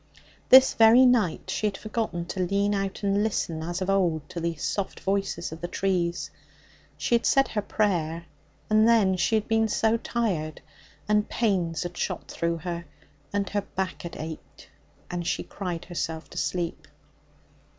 This very night she had forgotten to lean out and listen as of old to the soft voices of the trees. She had said her prayer, and then she had been so tired, and pains had shot through her, and her back had ached, and she had cried herself to sleep.